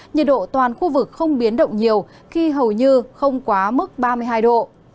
nhiệt độ toàn khu vực không biến động nhiều khi hầu như không quá mức ba mươi hai độ